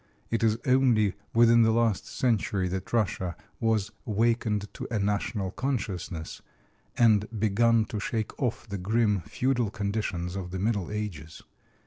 It is only within the last century that Russia has wakened to a national consciousness and begun to shake off the grim, feudal conditions of the Middle Ages.